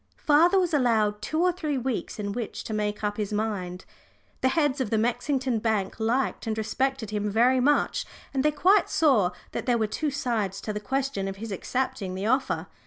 Father was allowed two or three weeks in which to make up his mind. The heads of the Mexington bank liked and respected him very much, and they quite saw that there were two sides to the question of his accepting the offer.